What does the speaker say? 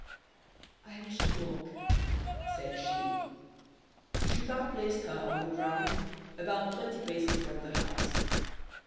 "I wish to walk," said she. Chupin placed her on the ground about twenty paces from the house.